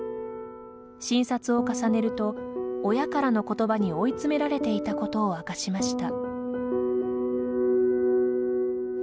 診察を重ねると、親からの言葉に追い詰められていたことを明かしました。